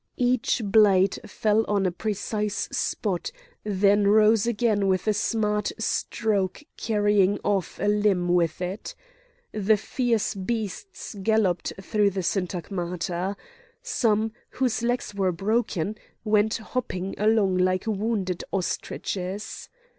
Each blade fell on a precise spot, then rose again with a smart stroke carrying off a limb with it. The fierce beasts galloped through the syntagmata. Some, whose legs were broken, went hopping along like wounded ostriches.